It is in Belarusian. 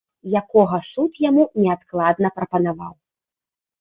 Якога суд яму неадкладна прапанаваў.